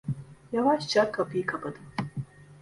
Yavaşça kapıyı kapadım.